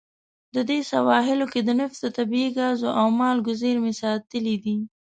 د دې سواحلو کې د نفتو، طبیعي ګازو او مالګو زیرمې ساتلې دي.